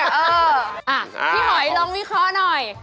เออพี่หอยลองวิเคราะห์หน่อย